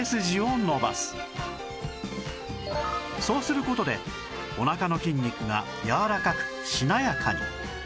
そうする事でおなかの筋肉が柔らかくしなやかに